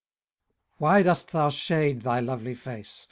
WHY dost thou shade thy lovely face?